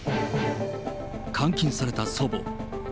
監禁された祖母。